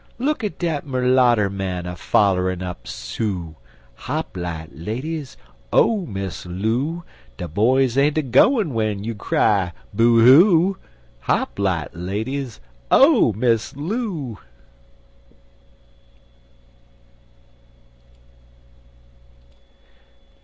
Look at dat merlatter man A follerin' up Sue; Hop light, ladies, Oh, Miss Loo! De boys ain't a gwine W'en you cry boo hoo Hop light, ladies, Oh, Miss Loo!